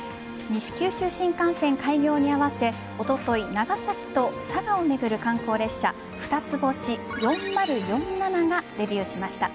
西九州新幹線開業に合わせおととい長崎と佐賀を巡る観光列車ふたつ星４０４７がデビューしました。